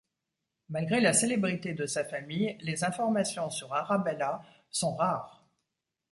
Malgré la célébrité de sa famille, les informations sur Arabella sont rares.